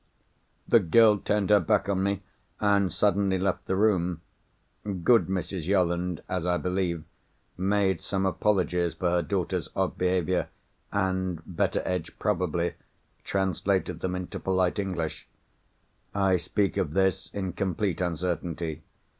The girl turned her back on me, and suddenly left the room. Good Mrs. Yolland—as I believe—made some apologies for her daughter's odd behaviour, and Betteredge (probably) translated them into polite English. I speak of this in complete uncertainty.